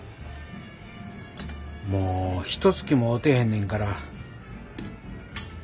もうひとつきも会うてへんねんから。